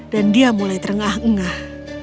dan dia mulai terengah engah